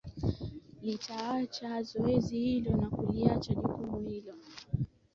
litaachaa zoezi hilo na kuliacha jukumu hilo